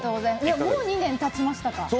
もう２年たちましたか？